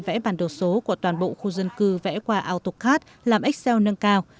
vẽ bản đồ số của toàn bộ khu dân cư vẽ qua autocad làm excel nâng cao